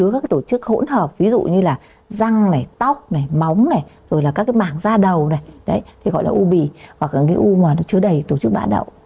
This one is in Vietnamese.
các tổ chức hỗn hợp ví dụ như răng tóc móng các mảng da đầu gọi là u bì hoặc là u chứa đầy tổ chức bã đậu